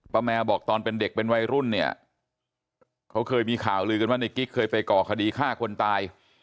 แมวบอกตอนเป็นเด็กเป็นวัยรุ่นเนี่ยเขาเคยมีข่าวลือกันว่าในกิ๊กเคยไปก่อคดีฆ่าคนตาย